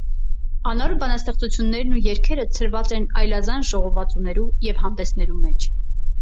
Անոր բանաստեղծութիւններն ու երգերը ցրուած են այլազան ժողովածուներու եւ հանդէսներու մէջ։